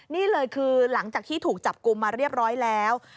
นี่เลยคือหลังจากที่ถูกจับกลุ่มมาเรียบร้อยแล้ว